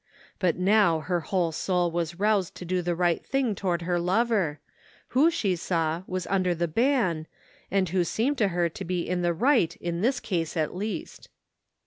But now her whole soul was roused to do the right thing toward her lover, who, she saw, was under the ban, and who seemed to her to be in the right in this case at least.